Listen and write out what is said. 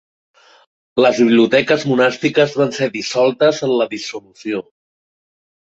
Les biblioteques monàstiques van ser dissoltes en la Dissolució.